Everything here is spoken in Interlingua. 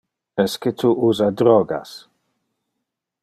Esque tu usa drogas?